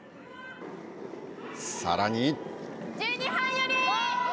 さらに。